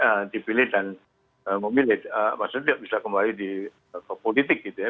maksudnya tidak bisa kembali ke politik gitu ya